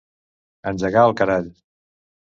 Engegar al carall.